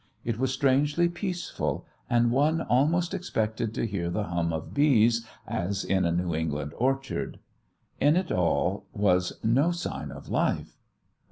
It was strangely peaceful, and one almost expected to hear the hum of bees as in a New England orchard. In it all was no sign of life.